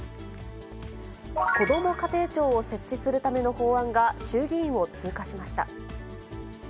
こども家庭庁を設置するための法案が衆議院を通過しました。